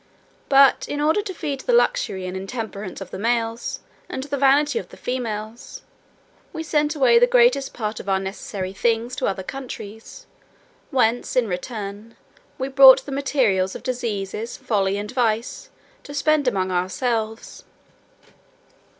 But, in order to feed the luxury and intemperance of the males, and the vanity of the females, we sent away the greatest part of our necessary things to other countries, whence, in return, we brought the materials of diseases, folly, and vice, to spend among ourselves.